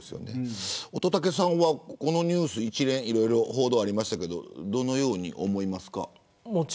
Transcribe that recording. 乙武さんはこのニュースいろいろ報道ありましたがどのように思いますか。